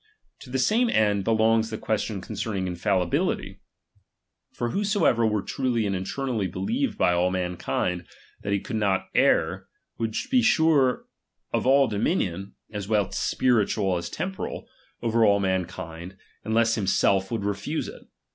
To the same end be longs the question concerning infalUbiUfy. For whosoever were truly and internally beheved by all mankiud, that he could not err, would be sure of all dominion, as well temporal as spiritual, over all mankind, unless himself would refuse it.